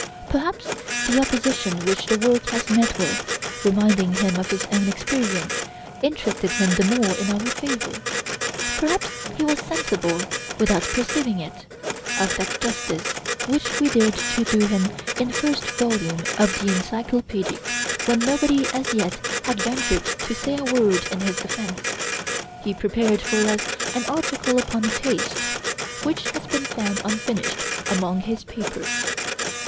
Perhaps the opposition which the work has met with, reminding him of his own experience, interested him the more in our favor. Perhaps he was sensible, without perceiving it, of that justice which we dared to do him in the first volume of the 'Encyclopedic,' when nobody as yet had ventured to say a word in his defense. He prepared for us an article upon 'Taste,' which has been found unfinished among his papers.